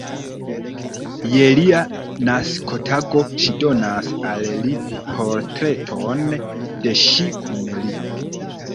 Je lia naskotago ŝi donas al li portreton de ŝi kun li.